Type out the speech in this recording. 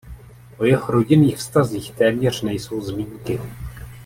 O jeho rodinných vztazích téměř nejsou zmínky.